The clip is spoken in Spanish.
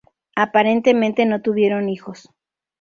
Aparentemente, no tuvieron hijos.